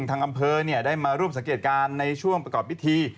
ทางอำเภอได้มาร่วมสังเกตการณ์ในช่วงประกอบพิธี